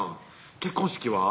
結婚式は？